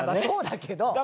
そうだけど。